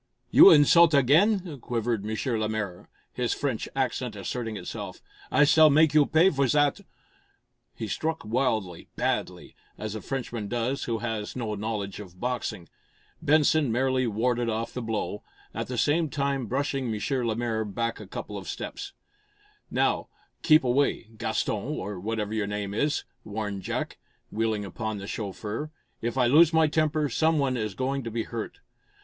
"You insult again!" quivered M. Lemaire, his French accent asserting itself. "I s'all make you pay for zat!" He struck wildly, badly, as a Frenchman does who has no knowledge of boxing. Benson merely warded off the blow, at the same time brushing M. Lemaire back a couple of steps. "Now, you keep away Gaston, or whatever your name is!" warned Jack, wheeling upon the chauffeur. "If I lose my temper, some one is going to be hurt."